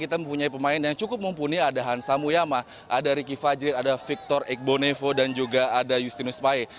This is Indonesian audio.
kita mempunyai pemain yang cukup mumpuni ada hansa muyama ada ricky fajri ada victor egbonevo dan juga ada justinus pae